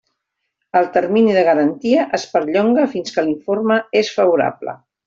El termini de garantia es perllonga fins que l'informe és favorable.